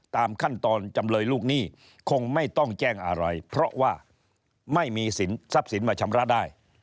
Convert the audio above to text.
ตามขั้นตอนจำเลยลูกหนี้คงไม่ต้องแจ้งอะไรเพราะว่าไม่มีสินทรัพย์สินมาชำระได้